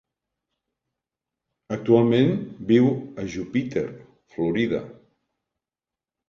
Actualment viu a Jupiter, Florida.